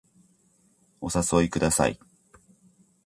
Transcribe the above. お誘いください